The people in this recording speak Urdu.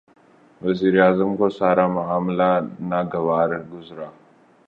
وزیر اعظم کو سارا معاملہ ناگوار گزرا۔